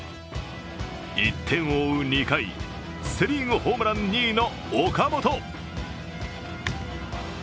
１点を追う２回、セ・リーグ、ホームラン２位の岡本。